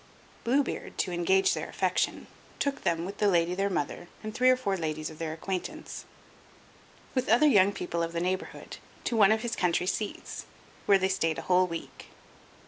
Blue Beard, to engage their affection, took them, with the lady their mother and three or four ladies of their acquaintance, with other young people of the neighborhood, to one of his country seats, where they stayed a whole week.